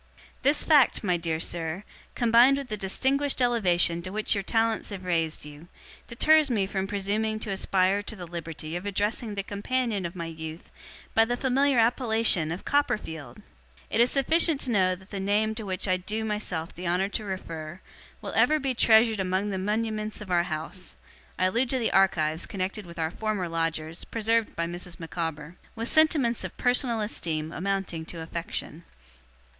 This fact, my dear sir, combined with the distinguished elevation to which your talents have raised you, deters me from presuming to aspire to the liberty of addressing the companion of my youth, by the familiar appellation of Copperfield! It is sufficient to know that the name to which I do myself the honour to refer, will ever be treasured among the muniments of our house (I allude to the archives connected with our former lodgers, preserved by Mrs. Micawber), with sentiments of personal esteem amounting to affection.